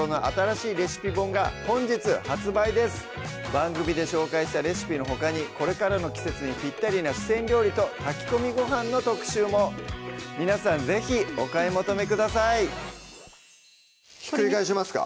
番組で紹介したレシピのほかにこれからの季節にぴったりな四川料理と炊き込みごはんの特集も皆さん是非お買い求めくださいひっくり返しますか？